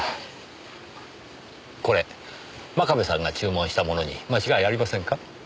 これ真壁さんが注文したものに間違いありませんか？